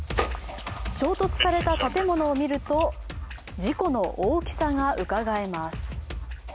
衝突された建物を見ると事故の大きさがうかがえます。